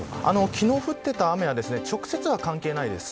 昨日降っていた雨は直接は関係ないです。